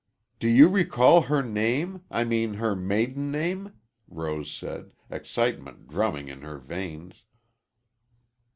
"Do you recall her name? I mean her maiden name," Rose said, excitement drumming in her veins.